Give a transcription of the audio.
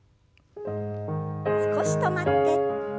少し止まって。